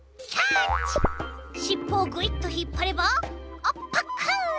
しっぽをぐいっとひっぱればあパクッ！